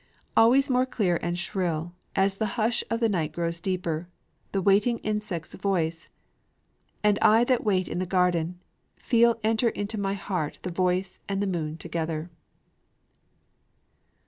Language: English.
Always more clear and shrill, as the hush of the night grows deeper, The Waiting insect's voice; and I that wait in the garden, Feel enter into my heart the voice and the moon together.